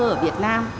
ở việt nam